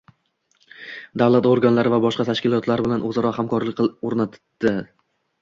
davlat organlari va boshqa tashkilotlar bilan o’zaro yaqin hamkorlik o’rnatadi.